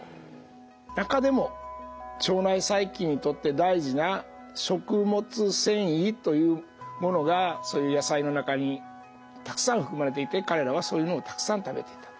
中でも腸内細菌にとって大事な食物繊維というものがそういう野菜の中にたくさん含まれていて彼らはそういうのをたくさん食べていたと。